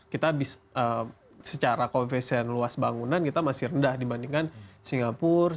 kita secara koefisien luas bangunan kita masih rendah dibandingkan singapura